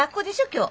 今日。